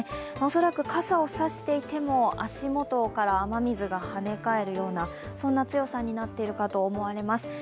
恐らく傘を差していても足元から雨水がはね返るようなそんな強さになっているかと思われます。